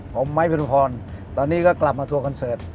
ผมไม้พิรุพรตอนนี้ก็กลับมาทัวร์คอนเสิร์ต